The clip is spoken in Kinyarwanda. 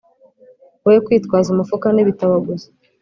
we kwitwaza umufuka n'ibitabo gusa!